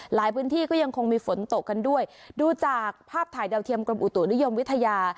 หลายพื้นที่ก็ยังคงมีฝนตกกันด้วยดูจากภาพถ่ายดาวเทียมกรมอุตุนิยมวิทยา